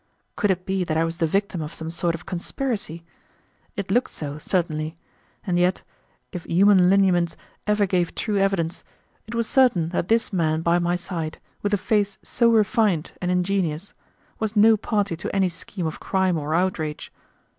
Could it be that I was the victim of some sort of conspiracy? It looked so, certainly; and yet, if human lineaments ever gave true evidence, it was certain that this man by my side, with a face so refined and ingenuous, was no party to any scheme of crime or outrage.